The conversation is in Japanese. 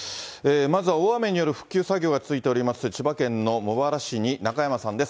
まずは大雨による復旧作業が続いております、千葉県の茂原市に中山さんです。